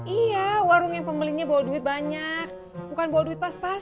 iya warung yang pembelinya bawa duit banyak bukan bawa duit pas pas